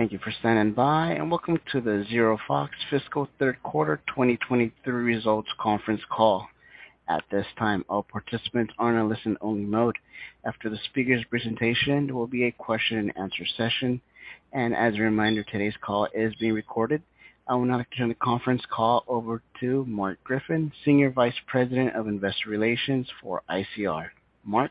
Thank you for standing by. Welcome to the ZeroFox fiscal third quarter 2023 results conference call. At this time, all participants are on a listen-only mode. After the speaker's presentation, there will be a question and answer session. As a reminder, today's call is being recorded. I would now like to turn the conference call over to Todd Weller, Senior Vice President of Investor Relations for ICR. Todd.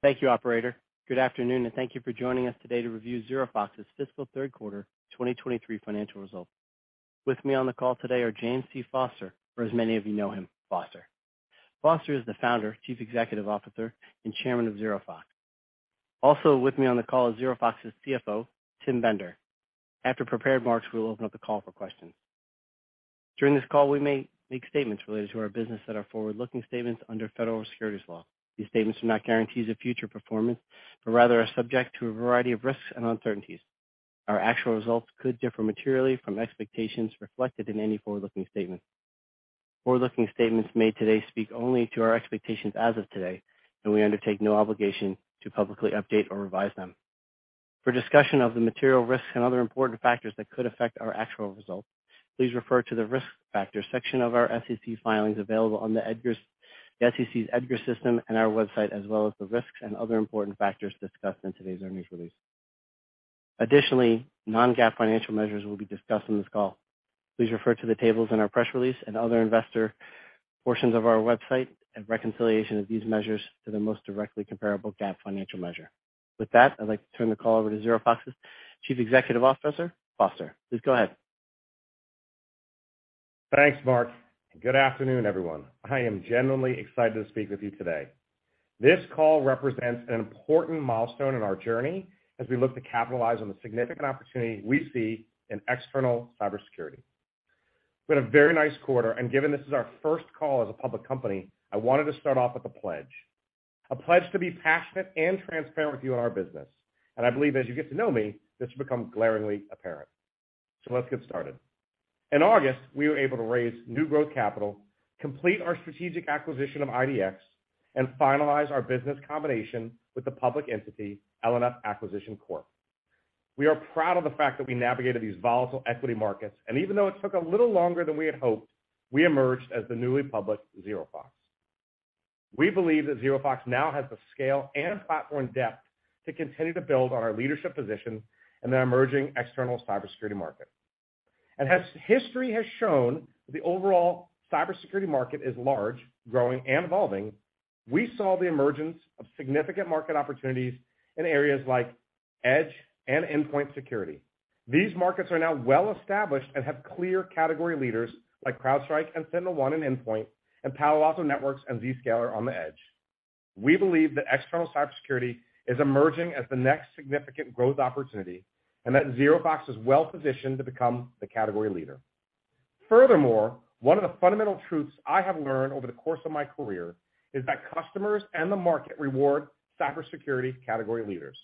Thank you, operator. Good afternoon, and thank you for joining us today to review ZeroFox's fiscal third quarter 2023 financial results. With me on the call today are James C. Foster, or as many of you know him, Foster. Foster is the Founder, Chief Executive Officer, and Chairman of ZeroFox. Also with me on the call is ZeroFox's CFO, Tim Bender. After prepared remarks, we'll open up the call for questions. During this call, we may make statements related to our business that are forward-looking statements under federal securities law. These statements are not guarantees of future performance, but rather are subject to a variety of risks and uncertainties. Our actual results could differ materially from expectations reflected in any forward-looking statement. Forward-looking statements made today speak only to our expectations as of today, and we undertake no obligation to publicly update or revise them. For discussion of the material risks and other important factors that could affect our actual results, please refer to the Risk Factors section of our SEC filings available on the SEC's EDGAR system and our website, as well as the risks and other important factors discussed in today's earnings release. Non-GAAP financial measures will be discussed on this call. Please refer to the tables in our press release and other investor portions of our website and reconciliation of these measures to the most directly comparable GAAP financial measure. With that, I'd like to turn the call over to ZeroFox's Chief Executive Officer, Foster. Please go ahead. Thanks, Todd, good afternoon, everyone. I am genuinely excited to speak with you today. This call represents an important milestone in our journey as we look to capitalize on the significant opportunity we see in external cybersecurity. We had a very nice quarter, given this is our first call as a public company, I wanted to start off with a pledge, a pledge to be passionate and transparent with you on our business. I believe as you get to know me, this will become glaringly apparent. Let's get started. In August, we were able to raise new growth capital, complete our strategic acquisition of IDX, and finalize our business combination with the public entity L&F Acquisition Corp. We are proud of the fact that we navigated these volatile equity markets, even though it took a little longer than we had hoped, we emerged as the newly public ZeroFox. We believe that ZeroFox now has the scale and platform depth to continue to build on our leadership position in the emerging external cybersecurity market. history has shown that the overall cybersecurity market is large, growing, and evolving. We saw the emergence of significant market opportunities in areas like edge and endpoint security. These markets are now well established and have clear category leaders like CrowdStrike and SentinelOne in endpoint and Palo Alto Networks and Zscaler on the edge. We believe that external cybersecurity is emerging as the next significant growth opportunity and that ZeroFox is well-positioned to become the category leader. Furthermore, one of the fundamental truths I have learned over the course of my career is that customers and the market reward cybersecurity category leaders.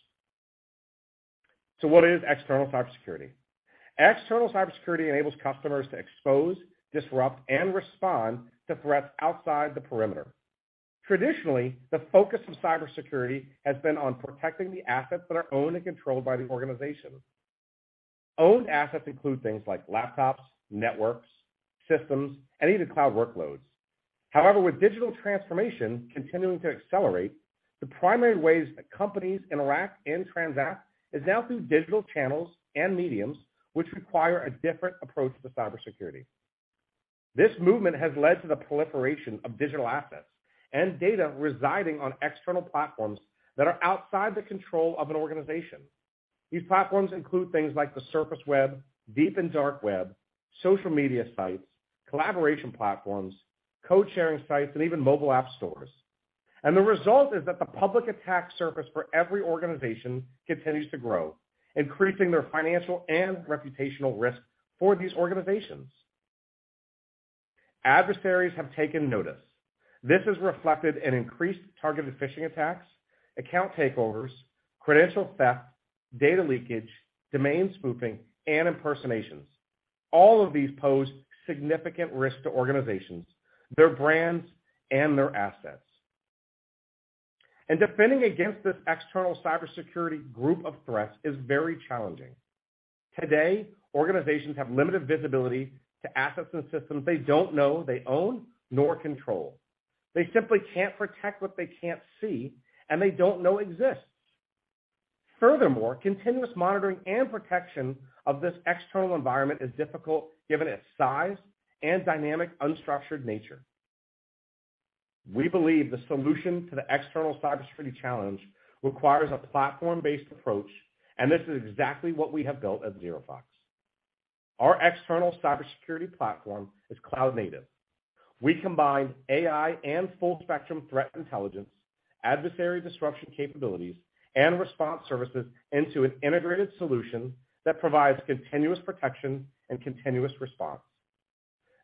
What is external cybersecurity? External cybersecurity enables customers to expose, disrupt, and respond to threats outside the perimeter. Traditionally, the focus of cybersecurity has been on protecting the assets that are owned and controlled by the organization. Owned assets include things like laptops, networks, systems, and even cloud workloads. However, with digital transformation continuing to accelerate, the primary ways that companies interact and transact is now through digital channels and mediums, which require a different approach to cybersecurity. This movement has led to the proliferation of digital assets and data residing on external platforms that are outside the control of an organization. These platforms include things like the surface web, deep and dark web, social media sites, collaboration platforms, code-sharing sites, and even mobile app stores. The result is that the public attack surface for every organization continues to grow, increasing their financial and reputational risk for these organizations. Adversaries have taken notice. This is reflected in increased targeted phishing attacks, account takeovers, credential theft, data leakage, domain spoofing, and impersonations. All of these pose significant risk to organizations, their brands, and their assets. Defending against this external cybersecurity group of threats is very challenging. Today, organizations have limited visibility to assets and systems they don't know they own nor control. They simply can't protect what they can't see and they don't know exists. Furthermore, continuous monitoring and protection of this external environment is difficult given its size and dynamic unstructured nature. We believe the solution to the external cybersecurity challenge requires a platform-based approach, and this is exactly what we have built at ZeroFox. Our external cybersecurity platform is cloud-native. We combine AI and full-spectrum threat intelligence, adversary disruption capabilities, and response services into an integrated solution that provides continuous protection and continuous response.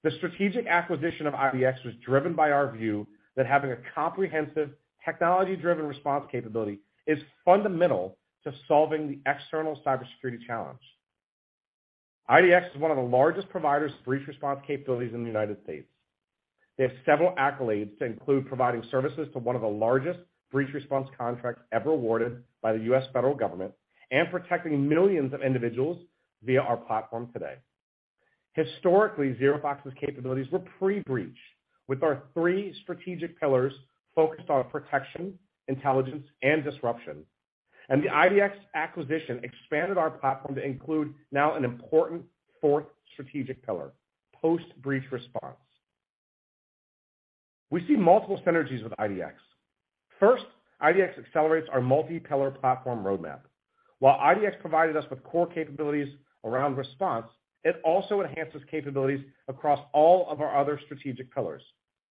The strategic acquisition of IDX was driven by our view that having a comprehensive technology-driven response capability is fundamental to solving the external cybersecurity challenge. IDX is one of the largest providers of breach response capabilities in the United States. They have several accolades to include providing services to one of the largest breach response contracts ever awarded by the U.S. Federal Government and protecting millions of individuals via our platform today. Historically, ZeroFox's capabilities were pre-breach, with our 3 strategic pillars focused on protection, intelligence, and disruption. The IDX acquisition expanded our platform to include now an important fourth strategic pillar, post-breach response. We see multiple synergies with IDX. First, IDX accelerates our multi-pillar platform roadmap. While IDX provided us with core capabilities around response, it also enhances capabilities across all of our other strategic pillars.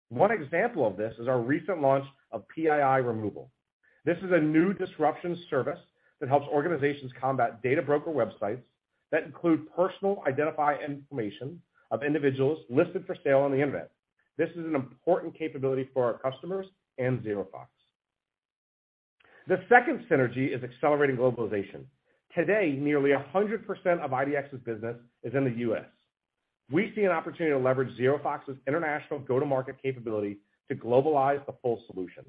One example of this is our recent launch of PII Removal. This is a new disruption service that helps organizations combat data broker websites that include personal identifying information of individuals listed for sale on the internet. This is an important capability for our customers and ZeroFox. The second synergy is accelerating globalization. Today, nearly 100% of IDX's business is in the U.S. We see an opportunity to leverage ZeroFox's international go-to-market capability to globalize the full solution.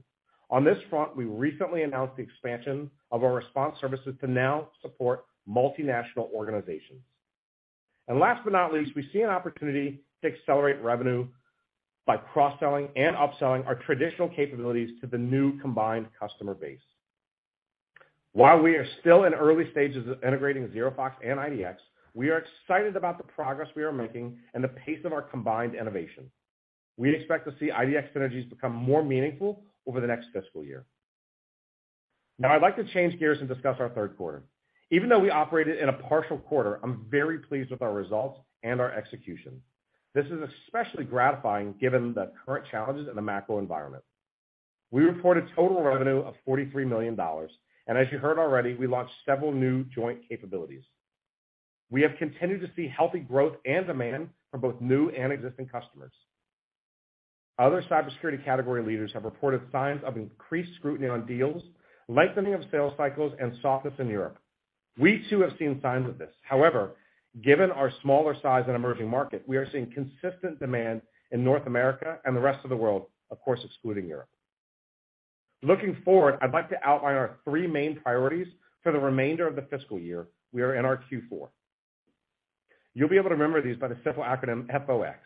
On this front, we recently announced the expansion of our response services to now support multinational organizations. Last but not least, we see an opportunity to accelerate revenue by cross-selling and upselling our traditional capabilities to the new combined customer base. While we are still in early stages of integrating ZeroFox and IDX, we are excited about the progress we are making and the pace of our combined innovation. We expect to see IDX synergies become more meaningful over the next fiscal year. Now I'd like to change gears and discuss our third quarter. Even though we operated in a partial quarter, I'm very pleased with our results and our execution. This is especially gratifying given the current challenges in the macro environment. We reported total revenue of $43 million, and as you heard already, we launched several new joint capabilities. We have continued to see healthy growth and demand from both new and existing customers. Other cybersecurity category leaders have reported signs of increased scrutiny on deals, lengthening of sales cycles, and softness in Europe. We too have seen signs of this. Given our smaller size and emerging market, we are seeing consistent demand in North America and the rest of the world, of course, excluding Europe. Looking forward, I'd like to outline our three main priorities for the remainder of the fiscal year. We are in our Q4. You'll be able to remember these by the simple acronym FOX.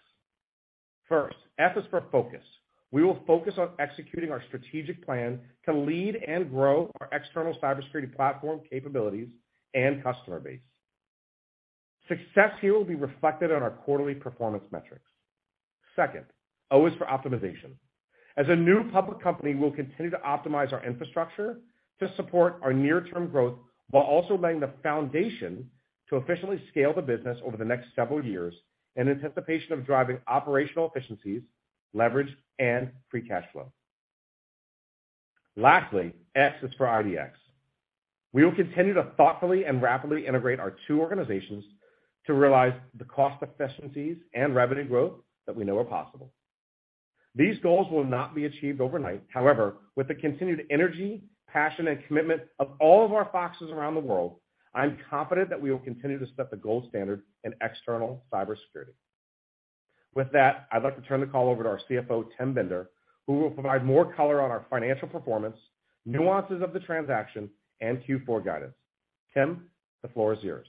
First, F is for focus. We will focus on executing our strategic plan to lead and grow our external cybersecurity platform capabilities and customer base. Success here will be reflected on our quarterly performance metrics. Second, O is for optimization. As a new public company, we'll continue to optimize our infrastructure to support our near-term growth while also laying the foundation to officially scale the business over the next several years in anticipation of driving operational efficiencies, leverage, and free cash flow. Lastly, X is for IDX. We will continue to thoughtfully and rapidly integrate our two organizations to realize the cost efficiencies and revenue growth that we know are possible. These goals will not be achieved overnight. However, with the continued energy, passion, and commitment of all of our Foxes around the world, I'm confident that we will continue to set the gold standard in external cybersecurity. With that, I'd like to turn the call over to our CFO, Tim Bender, who will provide more color on our financial performance, nuances of the transaction, and Q4 guidance. Tim, the floor is yours.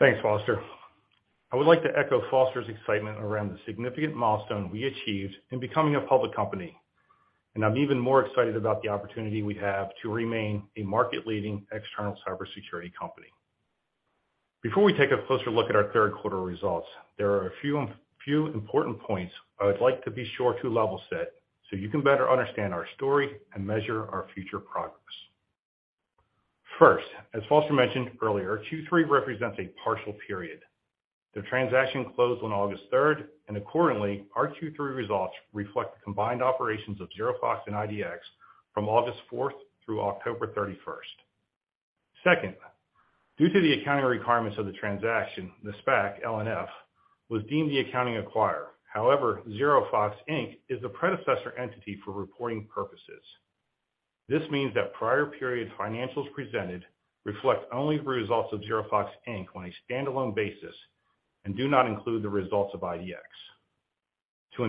Thanks, Foster. I would like to echo Foster's excitement around the significant milestone we achieved in becoming a public company. I'm even more excited about the opportunity we have to remain a market-leading external cybersecurity company. Before we take a closer look at our third quarter results, there are a few important points I would like to be sure to level set so you can better understand our story and measure our future progress. First, as Foster mentioned earlier, Q3 represents a partial period. The transaction closed on August 3rd. Accordingly, our Q3 results reflect the combined operations of ZeroFox and IDX from August 4th through October 31st. Second, due to the accounting requirements of the transaction, the SPAC, L&F, was deemed the accounting acquirer. However, ZeroFox, Inc. is the predecessor entity for reporting purposes. This means that prior periods financials presented reflect only the results of ZeroFox, Inc. on a standalone basis and do not include the results of IDX. To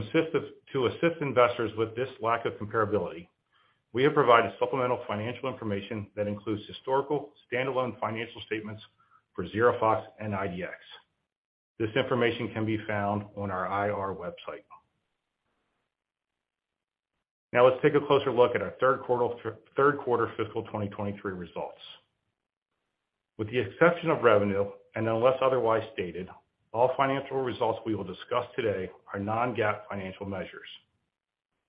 assist investors with this lack of comparability, we have provided supplemental financial information that includes historical standalone financial statements for ZeroFox and IDX. This information can be found on our IR website. Now let's take a closer look at our third quarter fiscal 2023 results. With the exception of revenue, and unless otherwise stated, all financial results we will discuss today are non-GAAP financial measures.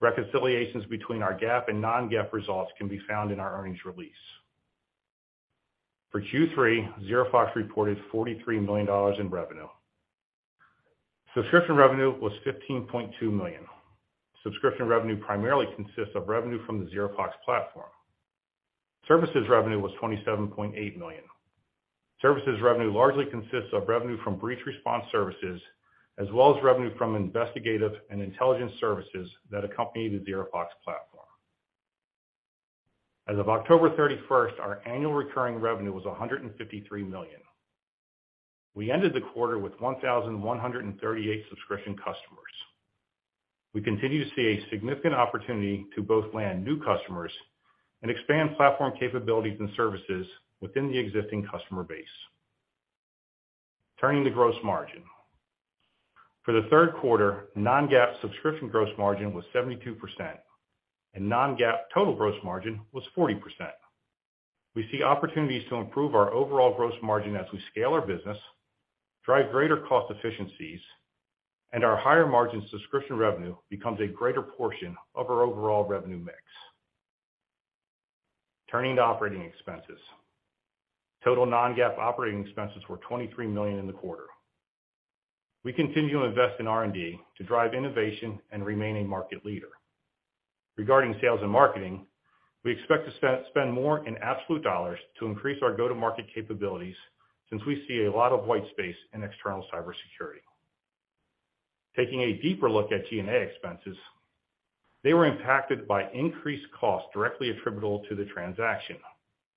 Reconciliations between our GAAP and non-GAAP results can be found in our earnings release. For Q3, ZeroFox reported $43 million in revenue. Subscription revenue was $15.2 million. Subscription revenue primarily consists of revenue from the ZeroFox platform. Services revenue was $27.8 million. Services revenue largely consists of revenue from breach response services, as well as revenue from investigative and intelligence services that accompany the ZeroFox platform. As of October 31st, our annual recurring revenue was $153 million. We ended the quarter with 1,138 subscription customers. We continue to see a significant opportunity to both land new customers and expand platform capabilities and services within the existing customer base. Turning to gross margin. For the third quarter, non-GAAP subscription gross margin was 72% and non-GAAP total gross margin was 40%. We see opportunities to improve our overall gross margin as we scale our business, drive greater cost efficiencies, and our higher margin subscription revenue becomes a greater portion of our overall revenue mix. Turning to operating expenses. Total non-GAAP operating expenses were $23 million in the quarter. We continue to invest in R&D to drive innovation and remain a market leader. Regarding sales and marketing, we expect to spend more in absolute dollars to increase our go-to-market capabilities since we see a lot of white space in external cybersecurity. Taking a deeper look at G&A expenses, they were impacted by increased costs directly attributable to the transaction.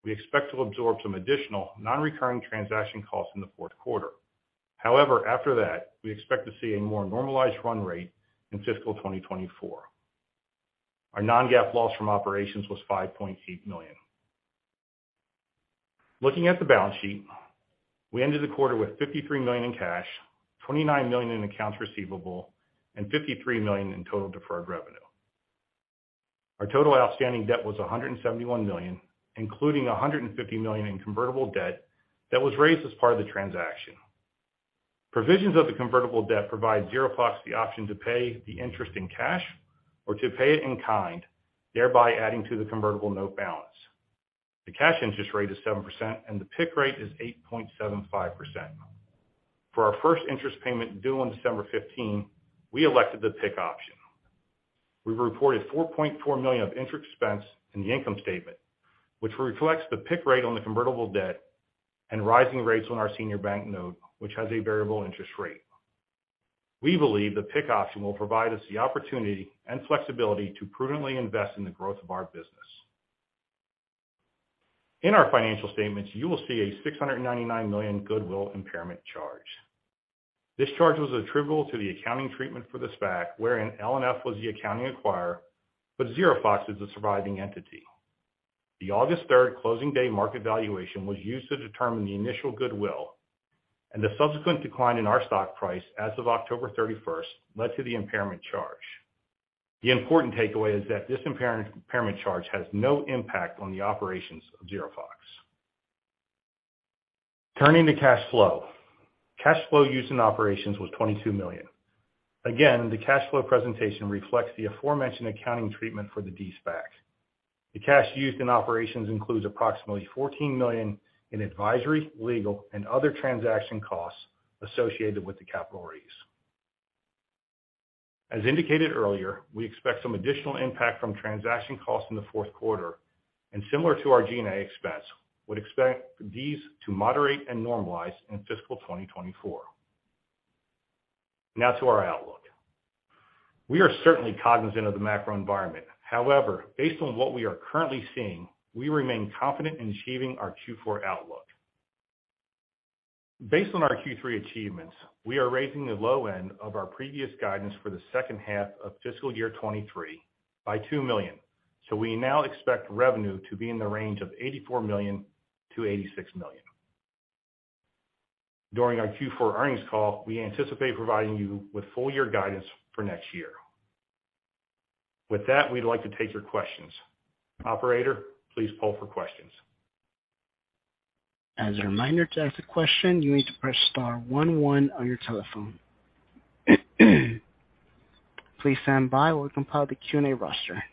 We expect to absorb some additional non-recurring transaction costs in the fourth quarter. After that, we expect to see a more normalized run rate in fiscal 2024. Our non-GAAP loss from operations was $5.8 million. Looking at the balance sheet, we ended the quarter with $53 million in cash, $29 million in accounts receivable, and $53 million in total deferred revenue. Our total outstanding debt was $171 million, including $150 million in convertible debt that was raised as part of the transaction. Provisions of the convertible debt provide ZeroFox the option to pay the interest in cash or to pay it in kind, thereby adding to the convertible note balance. The cash interest rate is 7%, and the PIK rate is 8.75%. For our first interest payment due on December 15, we elected the PIK option. We've reported $4.4 million of interest expense in the income statement, which reflects the PIK rate on the convertible debt and rising rates on our senior bank note, which has a variable interest rate. We believe the PIK option will provide us the opportunity and flexibility to prudently invest in the growth of our business. In our financial statements, you will see a $699 million goodwill impairment charge. This charge was attributable to the accounting treatment for the SPAC, wherein L&F was the accounting acquirer, but ZeroFox is the surviving entity. The August 3rd closing day market valuation was used to determine the initial goodwill, and the subsequent decline in our stock price as of October 31st led to the impairment charge. The important takeaway is that this impairment charge has no impact on the operations of ZeroFox. Turning to cash flow. Cash flow used in operations was $22 million. Again, the cash flow presentation reflects the aforementioned accounting treatment for the de-SPAC. The cash used in operations includes approximately $14 million in advisory, legal, and other transaction costs associated with the capital raise. As indicated earlier, we expect some additional impact from transaction costs in the fourth quarter. Similar to our G&A expense, would expect these to moderate and normalize in fiscal 2024. To our outlook. We are certainly cognizant of the macro environment. Based on what we are currently seeing, we remain confident in achieving our Q4 outlook. Based on our Q3 achievements, we are raising the low end of our previous guidance for the second half of fiscal year 2023 by $2 million. We now expect revenue to be in the range of $84 million-$86 million. During our Q4 earnings call, we anticipate providing you with full year guidance for next year. With that, we'd like to take your questions. Operator, please poll for questions. As a reminder, to ask a question, you need to press star one one on your telephone. Please stand by while we compile the Q&A roster.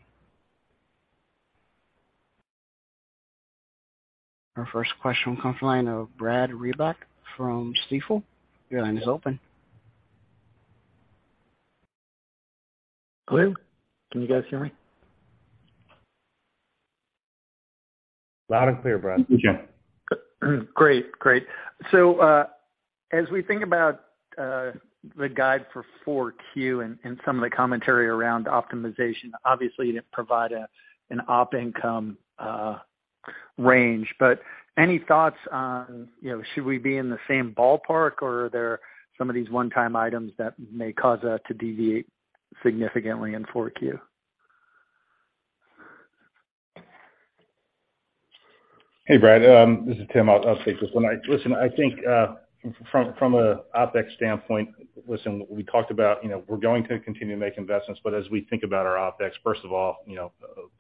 Our first question comes from the line of Brad Reback from Stifel. Your line is open. Hello, can you guys hear me? Loud and clear, Brad. Yeah. Great. As we think about the guide for 4Q and some of the commentary around optimization, obviously, you didn't provide an op income range, but any thoughts on, you know, should we be in the same ballpark, or are there some of these one-time items that may cause that to deviate significantly in 4Q? Hey, Brad, this is Tim. I'll take this one. listen, I think, from a OpEx standpoint, listen, we talked about, you know, we're going to continue to make investments, but as we think about our OpEx, first of all, you know,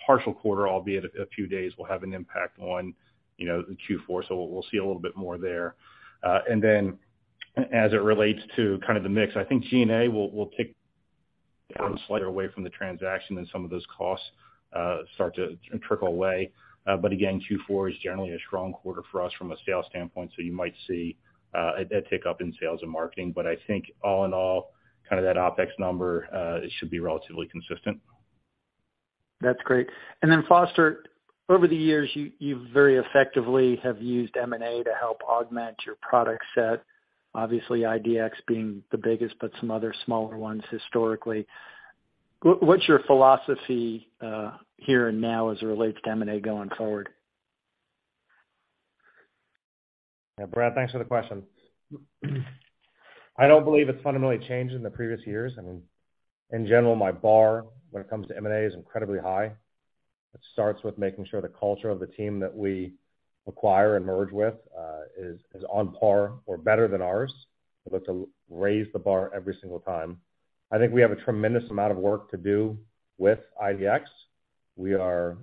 partial quarter, albeit a few days will have an impact on, you know, the Q4, so we'll see a little bit more there. As it relates to kind of the mix, I think G&A will tick down slightly away from the transaction and some of those costs start to trickle away. Again, Q4 is generally a strong quarter for us from a sales standpoint, so you might see a tick up in sales and marketing. I think all in all, kind of that OpEx number, it should be relatively consistent. That's great. Foster, over the years, you very effectively have used M&A to help augment your product set. Obviously, IDX being the biggest, but some other smaller ones historically. What's your philosophy here and now as it relates to M&A going forward? Yeah, Brad, thanks for the question. I don't believe it's fundamentally changed in the previous years. I mean, in general, my bar when it comes to M&A is incredibly high. It starts with making sure the culture of the team that we acquire and merge with, is on par or better than ours. We'd like to raise the bar every single time. I think we have a tremendous amount of work to do with IDX. We are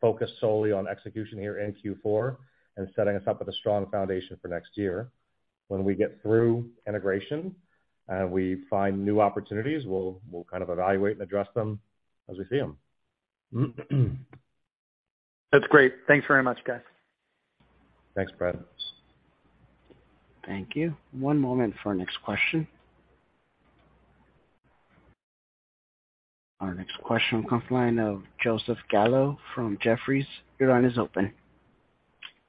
focused solely on execution here in Q4 and setting us up with a strong foundation for next year. When we get through integration and we find new opportunities, we'll kind of evaluate and address them as we see them. That's great. Thanks very much, guys. Thanks, Brad. Thank you. One moment for our next question. Our next question comes from the line of Joseph Gallo from Jefferies. Your line is open.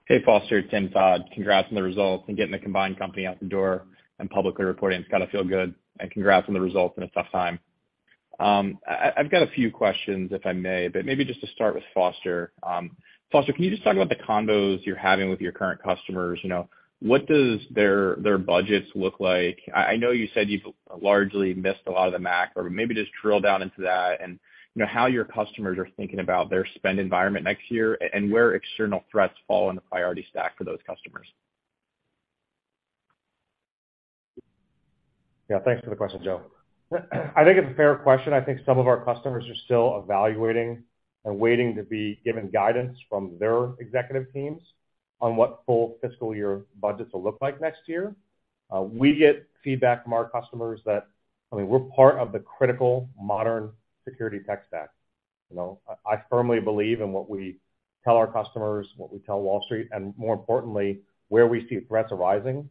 Hey, Foster, Tim Bender. Congrats on the results and getting the combined company out the door and publicly reporting. It's gotta feel good. Congrats on the results in a tough time. I've got a few questions, if I may, but maybe just to start with Foster. Foster, can you just talk about the convos you're having with your current customers? You know, what does their budgets look like? I know you said you've largely missed a lot of the macro, but maybe just drill down into that and, you know, how your customers are thinking about their spend environment next year and where external threats fall in the priority stack for those customers. Yeah. Thanks for the question, Joe. I think it's a fair question. I think some of our customers are still evaluating and waiting to be given guidance from their executive teams on what full fiscal year budgets will look like next year. We get feedback from our customers that, I mean, we're part of the critical modern security tech stack. You know, I firmly believe in what we tell our customers, what we tell Wall Street, and more importantly, where we see threats arising.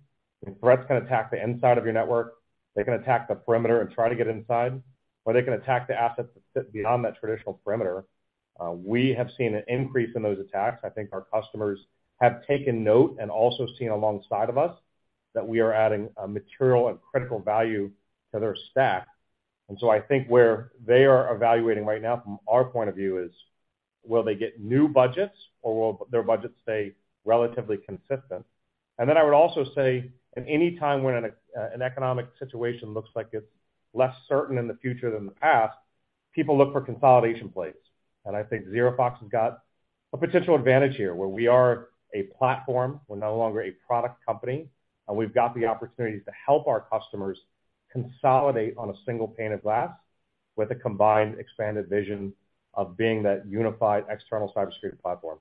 Threats can attack the inside of your network, they can attack the perimeter and try to get inside, or they can attack the assets that sit beyond that traditional perimeter. We have seen an increase in those attacks. I think our customers have taken note and also seen alongside of us that we are adding a material and critical value to their stack. I think where they are evaluating right now from our point of view is, will they get new budgets or will their budgets stay relatively consistent? I would also say at any time when an economic situation looks like it's less certain in the future than the past, people look for consolidation plays. I think ZeroFox has got a potential advantage here, where we are a platform, we're no longer a product company, and we've got the opportunities to help our customers consolidate on a single pane of glass with a combined expanded vision of being that unified external cybersecurity platform.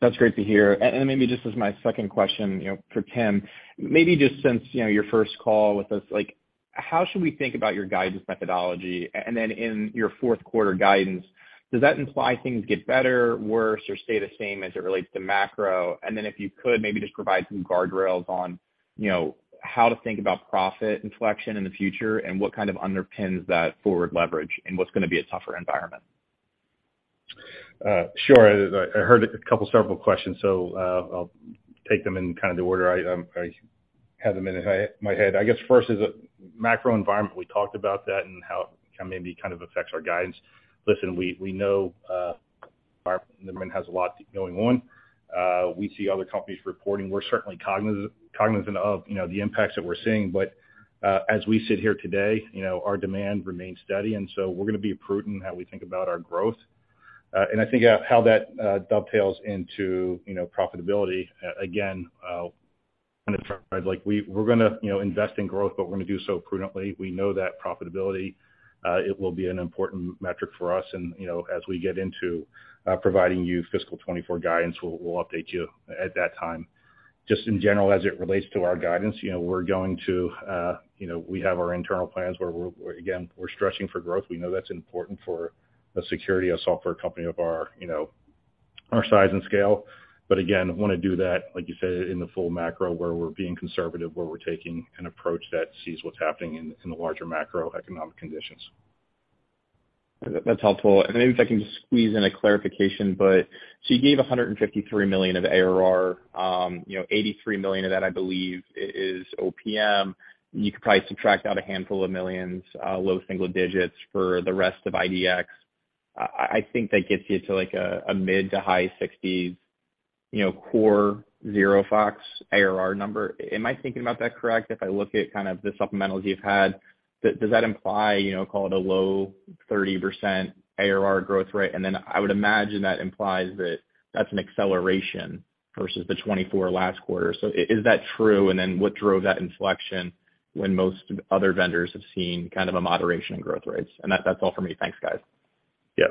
That's great to hear. Maybe just as my second question, you know, for Tim, maybe just since, you know, your first call with us, like, how should we think about your guidance methodology? In your fourth quarter guidance, does that imply things get better, worse, or stay the same as it relates to macro? If you could, maybe just provide some guardrails on, you know, how to think about profit inflection in the future and what kind of underpins that forward leverage in what's gonna be a tougher environment. Sure. I heard a couple several questions. I'll take them in kind of the order I have them in my head. I guess first is the macro environment. We talked about that and how it kinda maybe affects our guidance. Listen, we know our environment has a lot going on. We see other companies reporting. We're certainly cognizant of, you know, the impacts that we're seeing. As we sit here today, you know, our demand remains steady, so we're gonna be prudent how we think about our growth. I think how that dovetails into, you know, profitability. Again, kind of like we're gonna, you know, invest in growth, but we're gonna do so prudently. We know that profitability, it will be an important metric for us. you know, as we get into providing you fiscal 2024 guidance, we'll update you at that time. Just in general, as it relates to our guidance, you know, we're going to, you know, we have our internal plans where we're again stretching for growth. We know that's important for a security, a software company of our, you know, our size and scale. Again, wanna do that, like you said, in the full macro, where we're being conservative, where we're taking an approach that sees what's happening in the larger macroeconomic conditions. That's helpful. Maybe if I can just squeeze in a clarification, you gave $153 million of ARR. you know, $83 million of that I believe is OPM. You could probably subtract out a handful of millions, low single digits for the rest of IDX. I think that gets you to like a mid to high sixties, you know, core ZeroFox ARR number. Am I thinking about that correct if I look at kind of the supplementals you've had? Does that imply, you know, call it a low 30% ARR growth rate? I would imagine that implies that that's an acceleration versus the 24% last quarter. Is that true? What drove that inflection when most other vendors have seen kind of a moderation in growth rates? That's all for me. Thanks, guys. Yeah.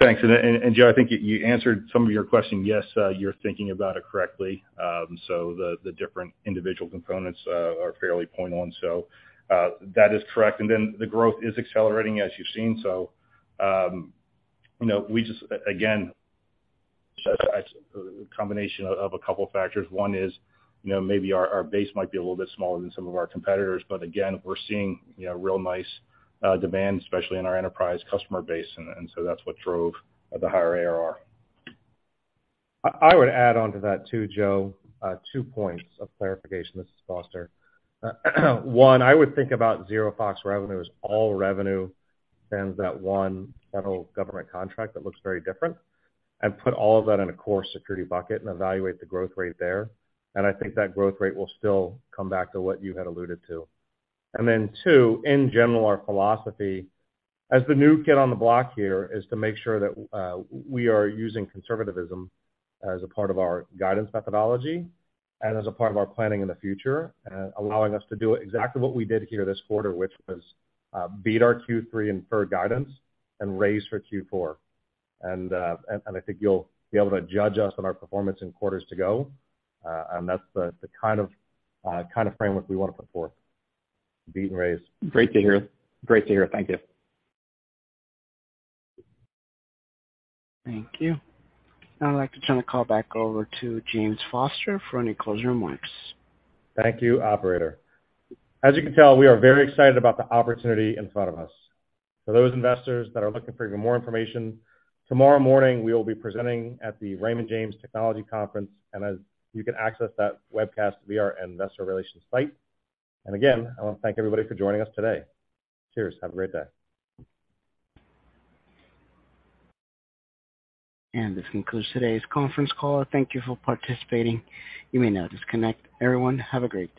Thanks. Joe, I think you answered some of your question. Yes, you're thinking about it correctly. The different individual components are fairly point on. That is correct. The growth is accelerating, as you've seen. You know, we just again, it's a combination of 2 factors. One is, you know, maybe our base might be a little bit smaller than some of our competitors, but again, we're seeing, you know, real nice demand, especially in our enterprise customer base. That's what drove the higher ARR. I would add on to that too, Joe, two points of clarification. This is Foster. One, I would think about ZeroFox revenue as all revenue less that one federal government contract that looks very different and put all of that in a core security bucket and evaluate the growth rate there. I think that growth rate will still come back to what you had alluded to. Two, in general, our philosophy as the new kid on the block here is to make sure that we are using conservativism as a part of our guidance methodology and as a part of our planning in the future, allowing us to do exactly what we did here this quarter, which was, beat our Q3 inferred guidance and raise for Q4. I think you'll be able to judge us on our performance in quarters to go, and that's the kind of framework we wanna put forth. Beat and raise. Great to hear. Great to hear. Thank you. Thank you. I'd like to turn the call back over to James Foster for any closing remarks. Thank you, operator. As you can tell, we are very excited about the opportunity in front of us. For those investors that are looking for even more information, tomorrow morning we will be presenting at the Raymond James Technology Conference, you can access that webcast via our investor relations site. Again, I wanna thank everybody for joining us today. Cheers. Have a great day. This concludes today's conference call. Thank you for participating. You may now disconnect. Everyone, have a great day.